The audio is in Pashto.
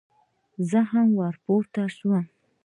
زه هم ور پورته شوم.